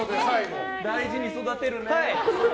大事に育てるね。